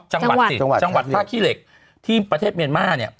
จังหวัดท่าขี้เหล็กที่ประเทศเมียนมาร์